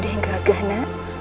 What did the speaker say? sudah enggak gana